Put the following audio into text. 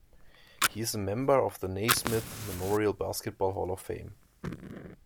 He is a member of the Naismith Memorial Basketball Hall of Fame.